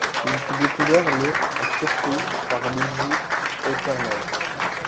Il fut découvert le à Turku par Liisi Oterma.